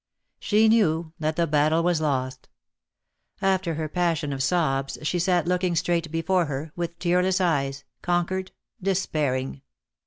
She knew that the battle was lost. After her passion of sobs she sat looking straight before her, with tearless eyes, conquered — despairing.